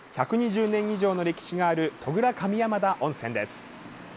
１２０年以上の歴史がある戸倉上山田温泉です。